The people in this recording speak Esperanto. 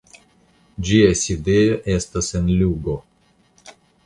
Ĝia sidejo estas en Lugo.